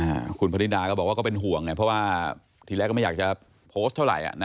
อ่าคุณพนิดาก็บอกว่าก็เป็นห่วงไงเพราะว่าทีแรกก็ไม่อยากจะโพสต์เท่าไหร่อ่ะนะ